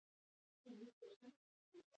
پانګوال لویو ګټو ته لاسرسی پیدا کوي